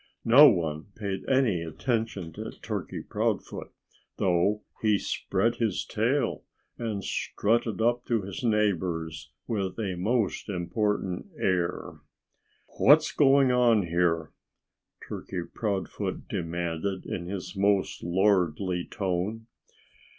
No one paid any attention to Turkey Proudfoot, though he spread his tail and strutted up to his neighbors with a most important air. "What's going on here?" Turkey Proudfoot demanded in his most lordly tone.